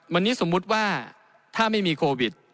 วันนี้สมมุติว่าถ้าไม่มีโควิด